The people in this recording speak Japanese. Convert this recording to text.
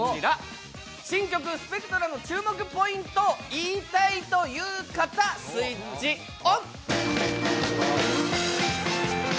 新曲「ＳＰＥＣＴＲＡ」の注目ポイントを言いたいという方、スイッチオン。